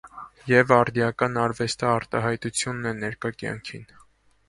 Եվ արդիական արվեստը արտահայտությունն է ներկա կյանքին։